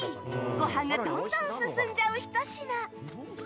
ご飯がどんどん進んじゃうひと品。